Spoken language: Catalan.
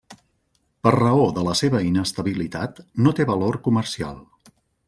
Per raó de la seva inestabilitat no té valor comercial.